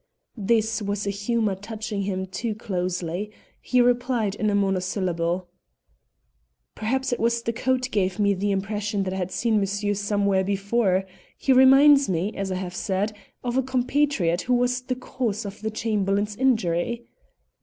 This was a humour touching him too closely; he replied in a monosyllable. "Perhaps it was the coat gave me the impression that I had seen monsieur somewhere before. He reminds me, as I have said, of a compatriot who was the cause of the Chamberlain's injury."